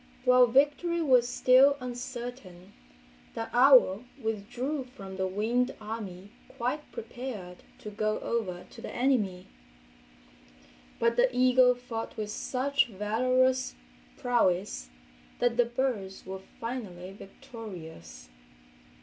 While victory was still uncertain the owl withdrew from the winged army quite prepared to go over to the enemy. But the eagle fought with such valorous prowess that the birds were finally victorious.